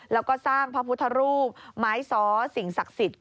แล้วก็สร้างพระพุทธรูปไม้ซ้อสิ่งศักดิ์สิทธิ